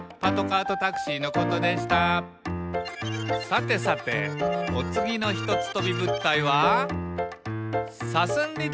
さてさておつぎのひとつとびぶったいは？